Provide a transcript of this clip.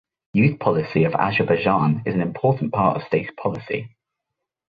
Youth policy of Azerbaijan is an important part of state policy.